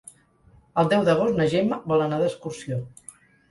El deu d'agost na Gemma vol anar d'excursió.